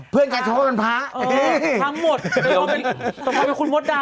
เพื่อนกาชโภป้านพลาเออทำหมดซะพอเป็นคุณมดดำ